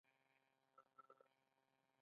روغ رمټ افغانستان ته ورسېدلو.